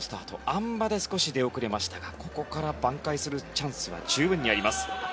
あん馬で少し出遅れましたがここからばん回するチャンスは十分にあります。